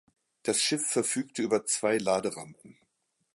Das Schiff verfügte über zwei Laderampen.